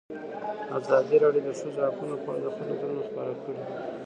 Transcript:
ازادي راډیو د د ښځو حقونه په اړه د خلکو نظرونه خپاره کړي.